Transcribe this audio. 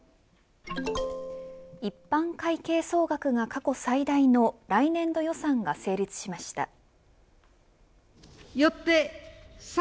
一般会計総額が過去最大の来年度予算が成立しました。